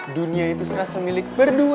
dunia itu serasa milik berdua